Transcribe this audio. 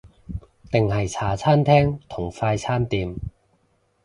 定係茶餐廳同快餐店？